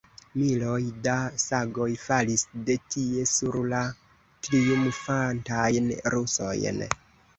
Miloj da sagoj falis de tie sur la triumfantajn rusojn!